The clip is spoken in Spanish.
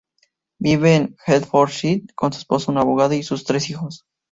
Vive en Hertfordshire con su esposo, un abogado, y sus tres hijos.